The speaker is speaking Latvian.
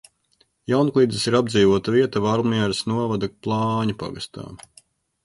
Jaunklidzis ir apdzīvota vieta Valmieras novada Plāņu pagastā.